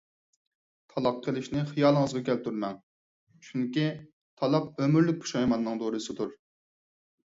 تالاق قىلىشنى خىيالىڭىزغا كەلتۈرمەڭ! چۈنكى، تالاق ئۆمۈرلۈك پۇشايماننىڭ دورىسىدۇر.